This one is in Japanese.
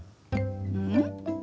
うん？